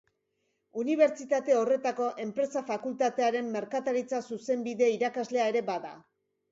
Unibertsitate horretako Enpresa Fakultatearen merkataritza-zuzenbide irakaslea ere bada.